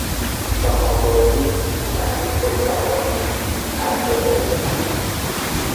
چاخان بازی، تعریف زبانی، حرف مفت